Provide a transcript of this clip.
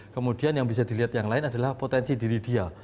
kemudian yang bisa dilihat yang lain adalah potensi diri dia